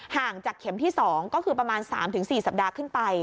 ห่างจากเข็มที่๒ก็คือประมาณ๓๔สัปดาห์ขึ้นไป